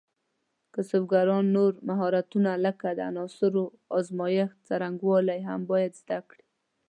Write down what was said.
کسبګران نور مهارتونه لکه د عناصرو ازمېښت څرنګوالي هم باید زده کړي.